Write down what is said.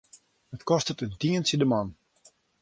It kostet in tientsje de man.